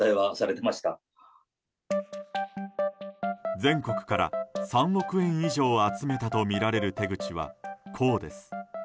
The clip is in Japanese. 全国から３億円以上集めたとみられる手口はこうです。